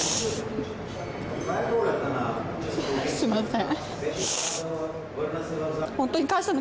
すみません。